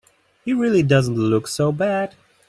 He really doesn't look so bad.